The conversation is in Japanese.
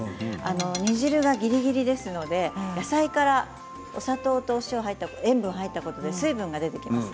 煮汁が、ぎりぎりですので野菜からお砂糖とおしょうゆが入って、塩分が入ったことで水分が出てきます。